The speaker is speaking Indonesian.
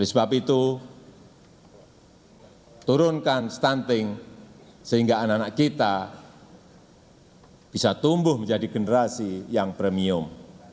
oleh sebab itu turunkan stunting sehingga anak anak kita bisa tumbuh menjadi generasi yang premium